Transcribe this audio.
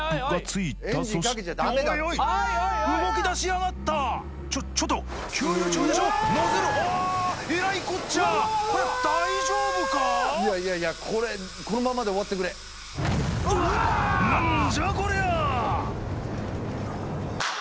いやいやいやこれこのままで終わってくれなんじゃこりゃあ！